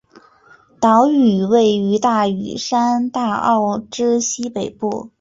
岛屿位于大屿山大澳之西北部。